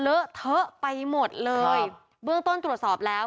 เลอะเทอะไปหมดเลยเบื้องต้นตรวจสอบแล้ว